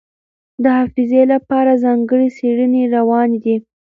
د حافظې لپاره ځانګړې څېړنې روانې دي.